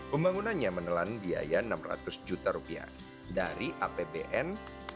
pembangunannya menelan biaya rp enam ratus juta dari apbn dua ribu enam belas